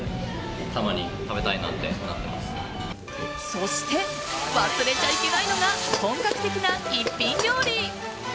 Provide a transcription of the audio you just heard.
そして、忘れちゃいけないのが本格的な一品料理！